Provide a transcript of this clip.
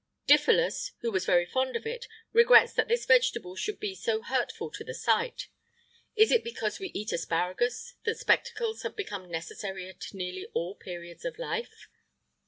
[IX 48] Diphilus, who was very fond of it, regrets that this vegetable should be so hurtful to the sight:[IX 49] is it because we eat asparagus that spectacles have become necessary at nearly all periods of life?